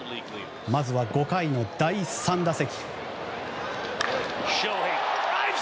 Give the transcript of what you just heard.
まずは５回の第３打席。